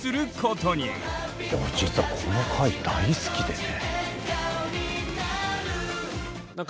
実はこの回大好きでね。